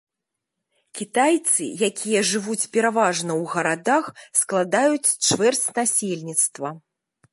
Кітайцы, якія жывуць пераважна ў гарадах, складаюць чвэрць насельніцтва.